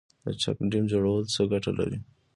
د چک ډیم جوړول څه ګټه لري؟